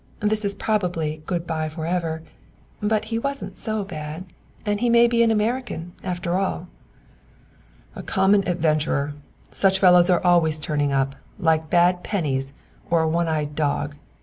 This is probably good by forever, but he wasn't so bad; and he may be an American, after all." "A common adventurer! Such fellows are always turning up, like bad pennies, or a one eyed dog.